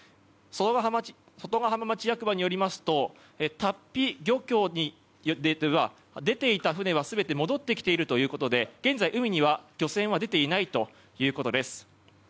外ヶ浜町役場によりますと龍飛漁協では出ていた船は全て戻ってきているということで現在、海には漁船は出ていないということです。